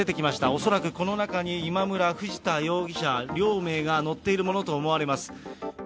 恐らくこの中に今村、藤田容疑者、両名が乗っているものと思われます。